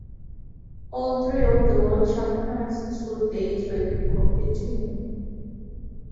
All three of the World Champions to date were competing.